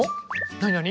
なになに？